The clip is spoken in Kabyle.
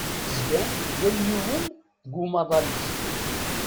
Zgan yal yiwen deg umaḍal-is.